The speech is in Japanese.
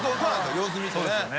様子見てね